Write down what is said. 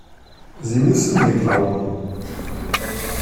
Sie müssen mir glauben!